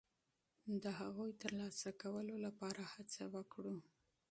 د هغوی د ترلاسه کولو لپاره هڅه وکړو.